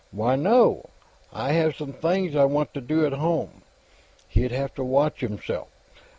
"Why, no. I have some things I want to do at home." He'd have to watch himself.